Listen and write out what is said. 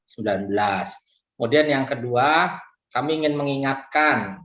kemudian yang kedua kami ingin mengingatkan